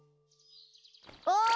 おい！